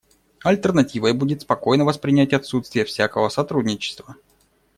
Альтернативой будет спокойно воспринять отсутствие всякого сотрудничества.